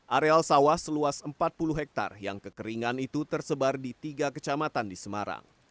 areal sawah seluas empat puluh hektare yang kekeringan itu tersebar di tiga kecamatan di semarang